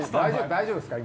大丈夫ですか？